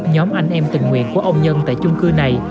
nhóm anh em tình nguyện của ông nhân tại chung cư này